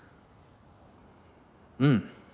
うん。